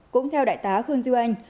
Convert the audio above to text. cũng theo đại tá khương duy anh